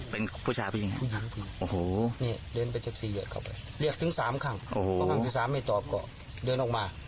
เพราบว่าไม่ตอบล่ะครับ